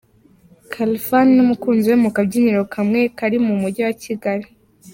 Khalfan n'umukunzi we mu kabyiniro kamwe kari mu mujyi wa Kigali.